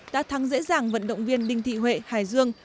đã thắng dễ dàng vận động viên đinh thị huệ hải dương